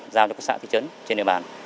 giao cho các xã thị trấn trên địa bàn